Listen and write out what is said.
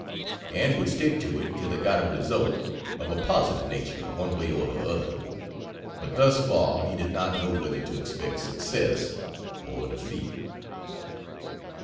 ] and would stick to it till he got a result of a positive nature one way or the other, but thus far he did not know whether to expect success or defeat.